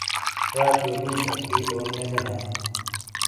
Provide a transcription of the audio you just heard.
راتیو نیش اکی اون نہ دینائیے۔